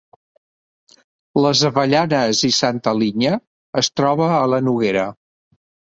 Les Avellanes i Santa Linya es troba a la Noguera